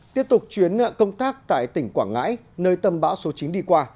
tiếp tục chuyến công tác tại tỉnh quảng ngãi nơi tâm bão số chín đi qua